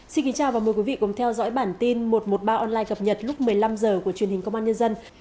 xin kính chào và mời quý vị cùng theo dõi bản tin một trăm một mươi ba online cập nhật lúc một mươi năm h của truyền hình công an nhân dân